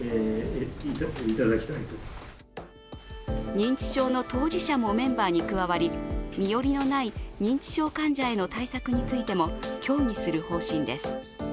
認知症の当事者もメンバーに加わり身寄りのない認知症患者への対策についても協議する方針です。